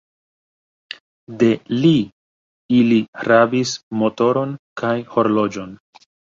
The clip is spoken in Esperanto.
De li, ili rabis motoron kaj horloĝon.